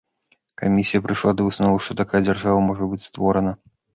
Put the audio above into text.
Камісія прыйшла да высновы, што такая дзяржава можа быць створана.